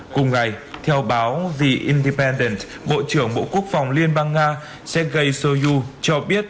cùng ngày theo báo the independent bộ trưởng bộ quốc phòng liên bang nga sergei soyuz cho biết